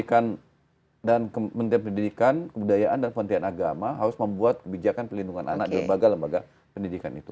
jadi kementerian pendidikan kebudayaan dan kementerian agama harus membuat kebijakan pelindungan anak di lembaga lembaga pendidikan itu